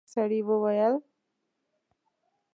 سړي وويل: